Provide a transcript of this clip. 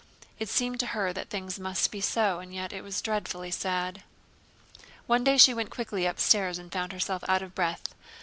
It seemed to her that things must be so, and yet it was dreadfully sad. One day she went quickly upstairs and found herself out of breath.